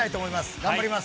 頑張ります。